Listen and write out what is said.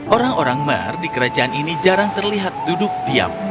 orang orang mar di kerajaan ini jarang terlihat duduk diam